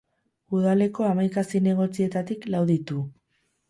Udaleko hamaika zinegotzietatik lau ditu.